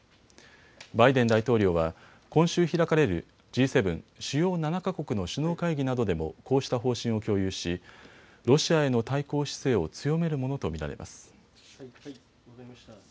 バイデン大統領は今週開かれるＧ７・主要７か国の首脳会議などでもこうした方針を共有しロシアへの対抗姿勢を強めるものと見られます。